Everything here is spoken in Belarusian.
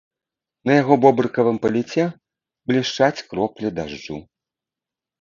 На яго бобрыкавым паліце блішчаць кроплі дажджу.